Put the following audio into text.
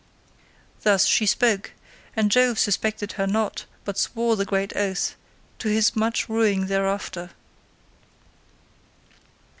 "Thus she spoke, and Jove suspected her not, but swore the great oath, to his much ruing thereafter.